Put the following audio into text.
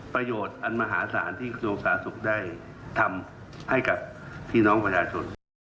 ประโยชน์อันมหาศาลที่กระทรวงศาลนักศึกษ์ได้ทำให้กับพี่น้องประชาชน